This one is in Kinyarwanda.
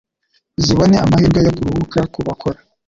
zibone amahirwe yo kuruhuka. Ku bakora